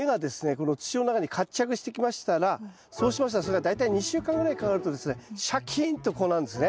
この土の中に活着してきましたらそうしましたらそれが大体２週間ぐらいかかるとですねシャキーンとこうなるんですね。